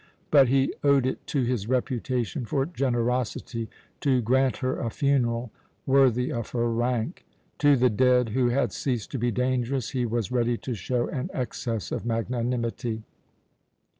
But he owed it to his reputation for generosity to grant her a funeral worthy of her rank. To the dead, who had ceased to be dangerous, he was ready to show an excess of magnanimity.